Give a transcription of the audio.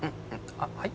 あっはい？